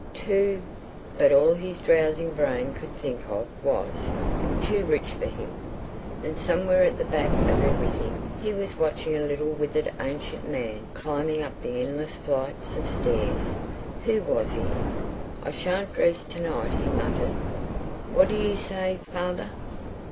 too.... But all his drowsing brain could think of was—too rich for him. And somewhere at the back of everything he was watching a little withered ancient man climbing up endless flights of stairs. Who was he? "I shan't dress to night," he muttered. "What do you say, father?"